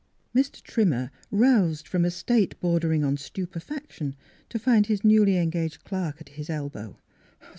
Mr. Trimmer roused from a state bor dering on stupefaction to find his newly engaged clerk at his elbow.